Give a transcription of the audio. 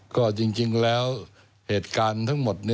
ก็จริงแล้วเหตุการณ์ทั้งหมด